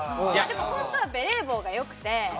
本当はベレー帽がよくて。